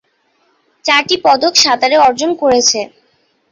চারটি পদক সাঁতারে অর্জন করেছে।